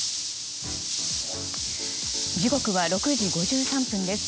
時刻は６時５３分です。